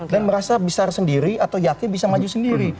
dan merasa bisa sendiri atau yakin bisa maju sendiri